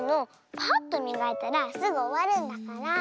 パッとみがいたらすぐおわるんだから。